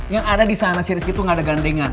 yang ada di sana si rizky tuh nggak ada gandengan